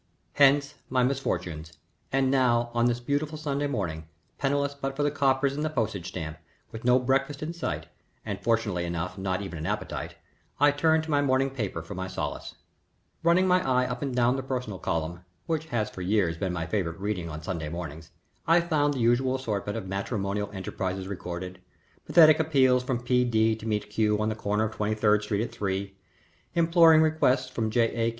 Hence my misfortunes, and now on this beautiful Sunday morning, penniless but for the coppers and the postage stamp, with no breakfast in sight, and, fortunately enough, not even an appetite, I turned to my morning paper for my solace. [Illustration: "THIS I WOULD SELL TO THE SUFFERING POOR"] Running my eye up and down the personal column, which has for years been my favorite reading of Sunday mornings, I found the usual assortment of matrimonial enterprises recorded: pathetic appeals from P. D. to meet Q. on the corner of Twenty third Street at three; imploring requests from J. A.